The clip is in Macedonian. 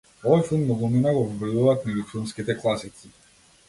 Овој филм многумина го вбројуваат меѓу филмските класици.